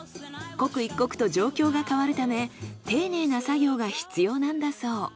刻一刻と状況が変わるため丁寧な作業が必要なんだそう。